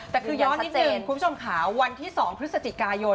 แต่คือย้อนนิดนึงคุณผู้ชมค่ะวันที่๒พฤศจิกายน